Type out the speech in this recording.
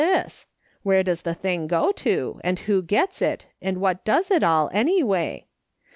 this ? Where does the thing go to, and who gets it, and what does it all, anyway